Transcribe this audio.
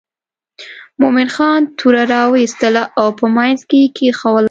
مومن خان توره را وایستله او په منځ یې کېښووله.